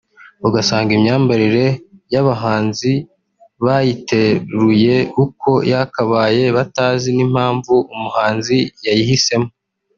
ugasanga imyambarire y’abahanzi bayiteruye uko yakabaye batazi n’impamvu umuhanzi yayihisemo